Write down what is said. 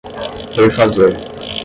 perfazer